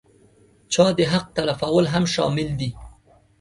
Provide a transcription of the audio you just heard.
چا د حق تلفول هم شامل دي.